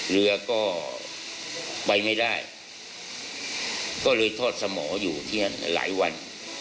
เรือก็ไปไม่ได้ก็เลยทอดสมออยู่ที่นั่นหลายวัน